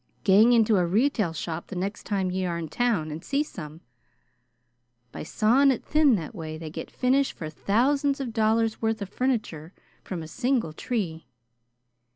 Gang into a retail shop the next time ye are in town and see some. By sawin' it thin that way they get finish for thousands of dollars' worth of furniture from a single tree.